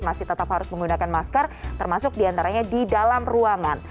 masih tetap harus menggunakan masker termasuk diantaranya di dalam ruangan